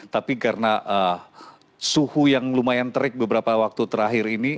tapi karena suhu yang lumayan terik beberapa waktu terakhir ini